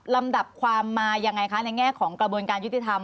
ลำดับความมายังไงคะในแง่ของกระบวนการยุติธรรม